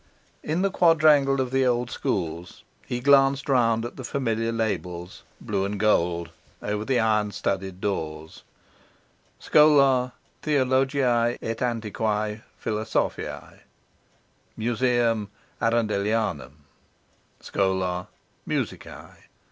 In the quadrangle of the Old Schools he glanced round at the familiar labels, blue and gold, over the iron studded doors, Schola Theologiae et Antiquae Philosophiae; Museum Arundelianum; Schola Musicae.